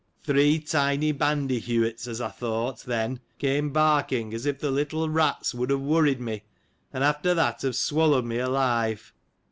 Three tiny bandyheu'its, as I thought, then, came barking, as if the little rats would have worried me, and after that have swallowed me alive.